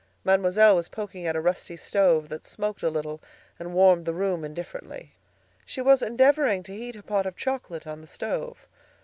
Mademoiselle was poking at a rusty stove that smoked a little and warmed the room indifferently. She was endeavoring to heat a pot of chocolate on the stove.